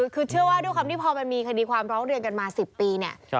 คือเชื่อว่าด้วยความมีคดีความพำท้อเลือนกันมา๑๐ปี